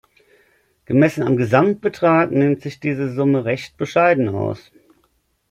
Gemessen am Gesamtbetrag nimmt sich diese Summe recht bescheiden aus.